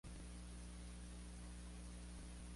Es una pequeña planta de hojas carnosas perennes.